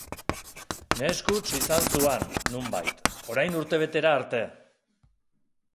Neskuts izan zuan, nonbait, orain urtebetera arte.